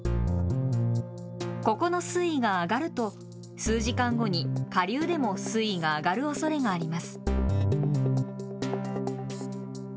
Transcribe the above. ここの水位が上がると数時間後に下流でも水位が上がるおそれがあります。